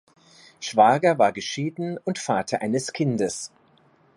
Schwager war geschieden und Vater eines Kindes.